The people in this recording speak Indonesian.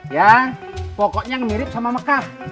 ya pokoknya mirip sama mekah